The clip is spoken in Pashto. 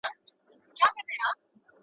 که د خاوند له ميرمني سره جوړه نه وي څه کيږي؟